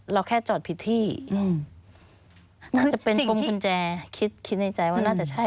เราแค่จอดผิดที่น่าจะเป็นปุ่มขุนแจคิดในใจว่าน่าจะใช่